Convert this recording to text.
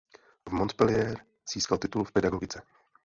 V Montpellier získal titul v pedagogice.